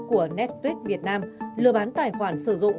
của netflix việt nam lừa bán tài khoản sử dụng